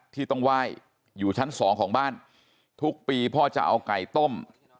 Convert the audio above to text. ที่ต้องไหว้อยู่ชั้นสองของบ้านทุกปีพ่อจะเอาไก่ต้ม